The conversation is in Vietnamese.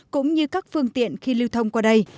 cũng như các phương tiện khi lưu thông qua đây